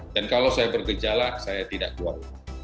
dan kalau saya bergejala saya tidak keluar rumah